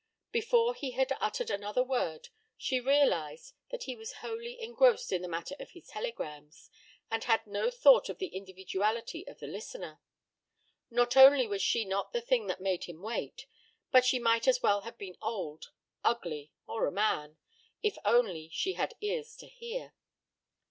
Before he had uttered another word she realized that he was wholly engrossed in the matter of his telegrams, and had no thought of the individuality of the listener. Not only was she not the thing that made him wait, but she might as well have been old, ugly, or a man, if only she had ears to hear.